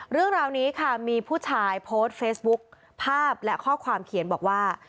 เรื่องราวนี้ค่ะมีผู้ชายโพสต์เฟซบุ๊คภาพและข้อความเขียนบอกว่า